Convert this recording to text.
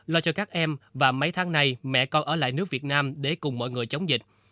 lo cho các em và mấy tháng nay mẹ con ở lại nước việt nam để cùng mọi người chống dịch